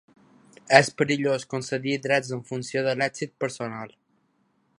És perillós concedir drets en funció de l'èxit personal.